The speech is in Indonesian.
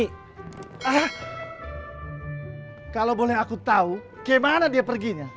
hah kalau boleh aku tahu gimana dia perginya